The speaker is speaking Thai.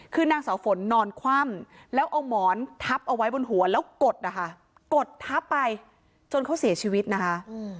คือนางสาวฝนนอนคว่ำแล้วเอาหมอนทับเอาไว้บนหัวแล้วกดนะคะกดทับไปจนเขาเสียชีวิตนะคะ